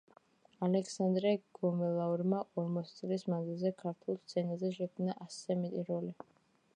ალექსანდრე გომელაურმა ორმოცი წლის მანძილზე ქართულ სცენაზე შექმნა ასზე მეტი როლი.